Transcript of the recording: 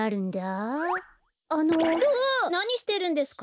なにしてるんですか？